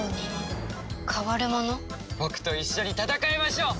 僕と一緒に戦いましょう！